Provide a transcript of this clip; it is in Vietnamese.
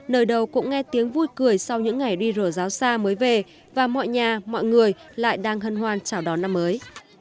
nơi đầu cũng nghe tiếng vui cười sau những ngày đi rổ giáo xa mới về và mọi nhà mọi người lại đang hân hoan chào đón năm mới